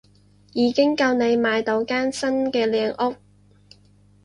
已經夠你買到間新嘅靚屋